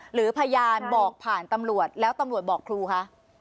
หรือพยานบอกผ่านตำรวจแล้วตำรวจบอกครูคะ